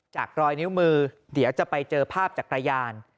รอยนิ้วมือเดี๋ยวจะไปเจอภาพจักรยาน